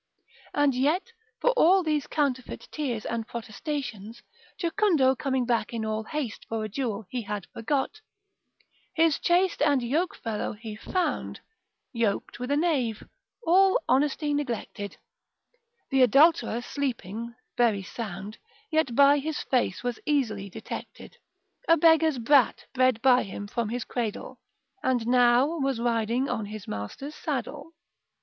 And yet for all these counterfeit tears and protestations, Jocundo coming back in all haste for a jewel he had forgot, His chaste and yoke fellow he found Yok'd with a knave, all honesty neglected, The adulterer sleeping very sound, Yet by his face was easily detected: A beggar's brat bred by him from his cradle., And now was riding on his master's saddle.